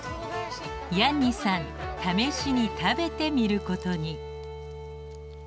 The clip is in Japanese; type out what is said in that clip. ヤンニさん試しに食べてみることに。